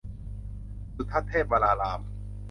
สุทัศน์เทพวราราม